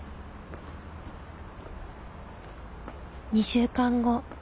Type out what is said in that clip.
２週間後。